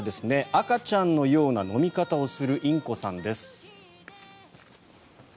赤ちゃんのような飲み方をするインコちゃんです。